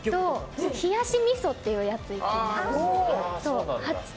冷やしみそってやつ、いきます。